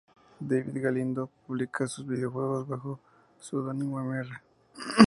David Galindo publica sus videojuegos bajo su seudónimo "Mr.